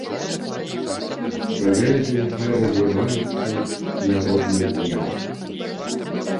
Шырэй жа няхай разліваецца народны гнеў!